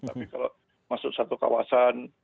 tapi kalau masuk satu kawasan